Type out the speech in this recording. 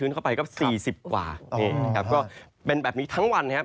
นะครับก็เป็นแบบนี้ทั้งวันนะครับ